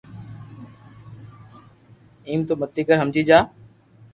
ايم تو متي ڪر ھمجي جا